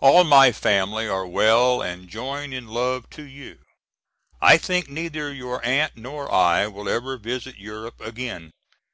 All my family are well and join in love to you. I think neither your Aunt nor I will ever visit Europe again.